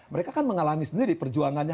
mereka kan mengalami sendiri perjuangannya